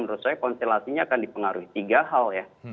menurut saya konstelasinya akan dipengaruhi tiga hal ya